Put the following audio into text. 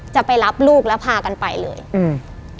จะไปรับลูกแล้วพากันไปเลยอืม